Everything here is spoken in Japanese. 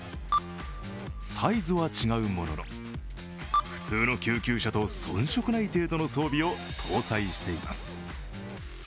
サイズは違うものの、普通の救急車と遜色ない程度の装備を搭載しています。